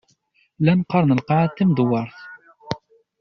Llan qqaren lqaεa timdewwert.